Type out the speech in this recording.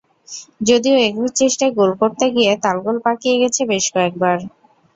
যদিও একক চেষ্টায় গোল করতে গিয়ে তালগোল পাকিয়ে গেছে বেশ কয়েকবার।